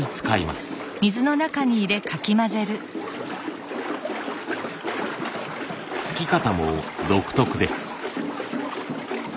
すき方も独特です。